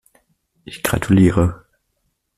Ich gratuliere.